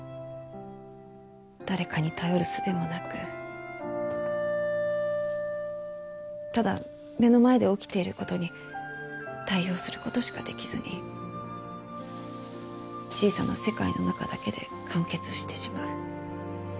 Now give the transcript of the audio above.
誰かに頼るすべもなくただ目の前で起きている事に対応する事しかできずに小さな世界の中だけで完結してしまう。